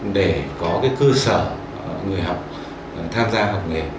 để có cơ sở người học tham gia học nghề